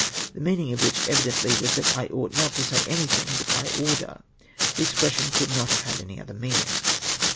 107) the meaning of which evidently was that I ought not to say anything but l^y order. The ex pression could not have had any other meaning.